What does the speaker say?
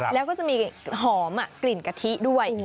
แล้วก็จะมีหอมกลิ่นกะทิด้วย